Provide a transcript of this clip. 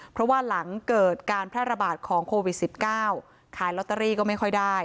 เพราะว่าหลังเกิดการแพร่ระบาดของโควิด๑๙ขายลอตเตอรี่ก็ไม่ค่อยได้